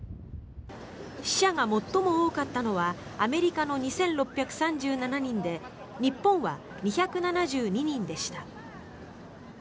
死者が最も多かったのはアメリカの２６３７人で日本は２７２人でした。